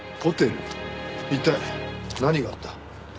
一体何があった？